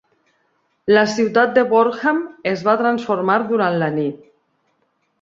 La ciutat de Wortham es va transformar durant la nit.